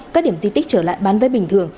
các điểm di tích trở lại bán vé bình thường